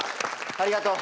ありがとう。